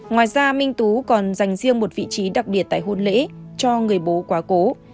ngoài ra minh tú còn dành riêng một vị trí đặc biệt tại hôn lễ cho người bố quá cố